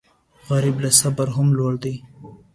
غریب له صبره هم لوړ دی